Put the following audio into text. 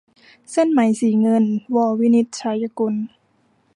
เส้นไหมสีเงิน - ว วินิจฉัยกุล